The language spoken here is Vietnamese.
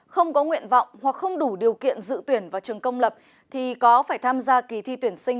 không có nguyện vọng hoặc không đủ điều kiện dự tuyển vào trường công lập thì có phải tham gia kỳ thi tuyển sinh